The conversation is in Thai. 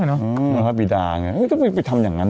ปลอดภัยพระปิดาถึงไปทำยังงั้น